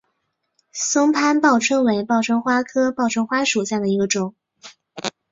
松潘报春为报春花科报春花属下的一个种。